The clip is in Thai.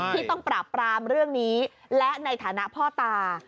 ที่ต้องปราบปรามเรื่องนี้และในฐานะพ่อตา